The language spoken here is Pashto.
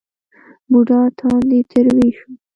بوډا تندی ترېو شو.